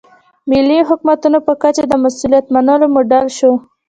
محلي حکومتونو په کچه د مسوولیت منلو موډل شو.